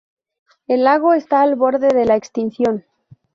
El lago está al borde de la extinción.